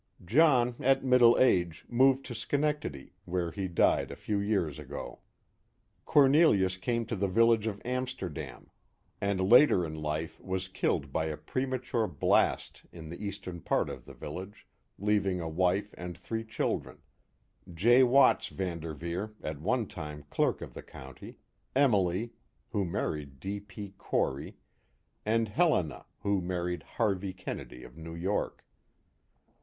John, at middle age, moved to Schenectady, where he died a few years ago. Cornelius came to the village of Amsterdam. and later in life was killed by a premature blast in the eastern part of the village, leaving a wife and three children, — J. Watts Van Derveer, at one time clerk of the county, Emily, who married D. P. Corey, and Helena, who married Harvey Kennedy of New York.